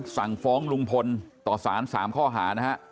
สั่งฟ้องลุงพลต่อสาร๓ข้อหานะฮะ